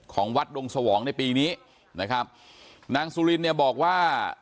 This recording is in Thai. ของวัดดงสวองในปีนี้นะครับนางสุรินเนี่ยบอกว่า